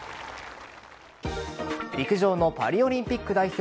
陸上のパリオリンピック代表